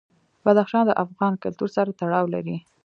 بدخشان د افغان کلتور سره تړاو لري.